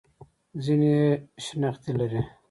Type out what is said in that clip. ځینې یې شنختې لري.